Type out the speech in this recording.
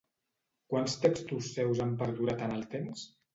Quants textos seus han perdurat en el temps?